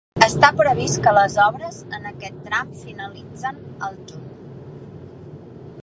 Està previst que les obres en aquest tram finalitzen al juny.